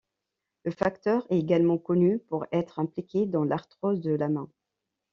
Le facteur est également connu pour être impliqué dans l'arthrose de la main.